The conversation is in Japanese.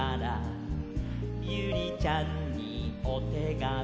「ユリちゃんにおてがみ」